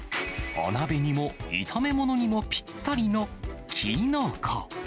お鍋にも炒め物にもぴったりのきのこ。